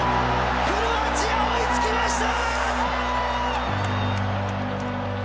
クロアチア追いつきました！